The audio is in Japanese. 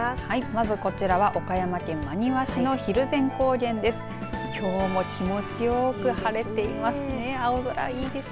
まずこちらは岡山県真庭市の蒜山高原です。